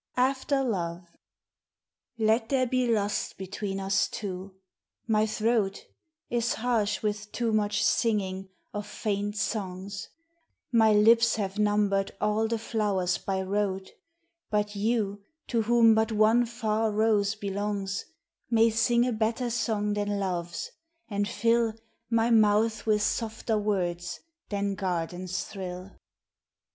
90 AFTER LOVE LET there be lust between us two, my throat Is harsh with too much singing of faint songs, My lips have numbered all the flowers by rote, But you to whom but one far rose belongs May sing a better song than love's, and fill My mouth with softer words than gardens thrill.